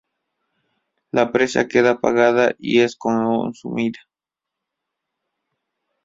La presa queda pegada, y es consumida.